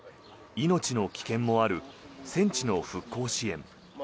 命の危険もある戦地の復興支援。